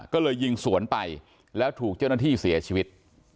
ก็เลยยิงสวนไปแล้วถูกเจ้าหน้าที่เสียชีวิต